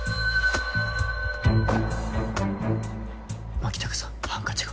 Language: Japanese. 牧高さんハンカチが。